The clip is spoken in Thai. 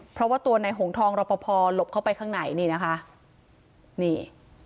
เพราะว่าตัวในหงทองรอปภหลบเข้าไปข้างในนี่นะคะนี่